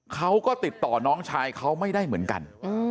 เขาก็ติดต่อน้องชายเขาไม่ได้เหมือนกัน